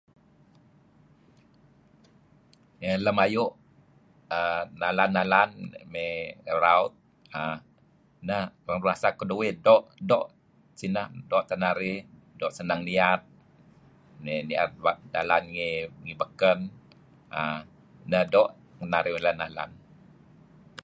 Mey lem ayu' err nalan-nalan, mey raut err rasa keduih doo' doo' sineh neh doo' teh narih doo' senang niyat mey ni'er dalan ngi beken err neh doo' narih nalan-nalan.